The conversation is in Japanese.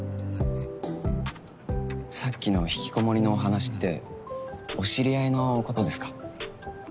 さっきの引きこもりのお話ってお知り合いのことですか？